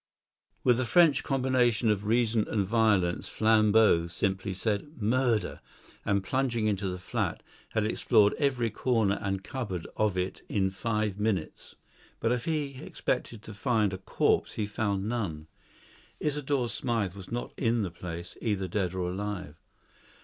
With a French combination of reason and violence Flambeau simply said "Murder!" and, plunging into the flat, had explored, every corner and cupboard of it in five minutes. But if he expected to find a corpse he found none. Isidore Smythe was not in the place, either dead or alive.